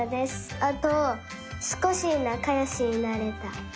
あとすこしなかよしになれた。